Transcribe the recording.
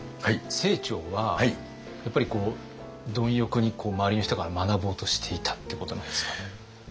清張はやっぱり貪欲に周りの人から学ぼうとしていたってことなんですかね？